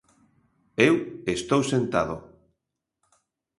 Eu estou sentado.